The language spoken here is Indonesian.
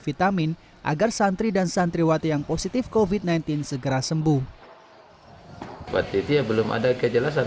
vitamin agar santri dan santriwati yang positif kofit sembilan belas segera sembuh waktu itu belum ada kejelasan